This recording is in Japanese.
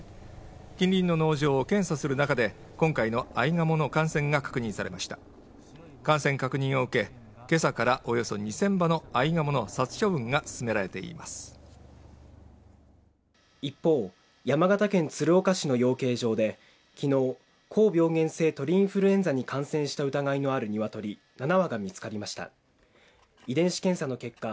近隣の農場を検査する中で今回のアイガモの感染が確認されました感染確認を受けけさからおよそ２０００羽のアイガモの殺処分が進められています一方、山形県鶴岡市の養鶏場で昨日、高病原性鳥インフルエンザに感染した疑いのあるニワトリ７羽が見つかりました遺伝子検査の結果